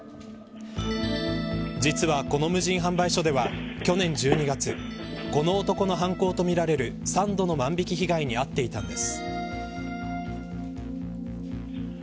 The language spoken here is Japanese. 実は、この無人販売所では去年１２月この男の犯行とみられる３度の万引被害に遭っていたんです。